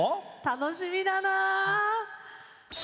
楽しみだな！